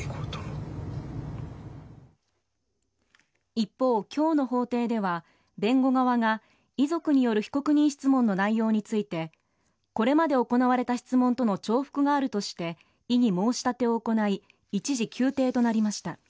一方、今日の法廷では弁護側が、遺族による被告人質問の内容についてこれまで行われた質問との重複があるとして異議申し立てを行い一時、休廷となりました。